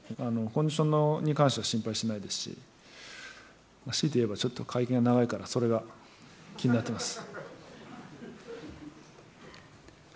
コンディションに関しては心配ないですし強いて言えば、会見が長いのでそれが気になっています。